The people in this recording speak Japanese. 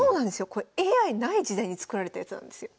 これＡＩない時代に作られたやつなんですよ。